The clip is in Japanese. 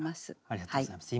ありがとうございます。